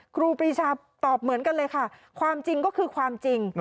ครูปีชาตอบเหมือนกันเลยค่ะความจริงก็คือความจริง